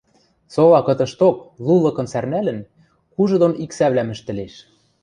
Сола кытышток, лу лыкын сӓрнӓлӹн, кужы дон иксӓвлӓм ӹштӹлеш.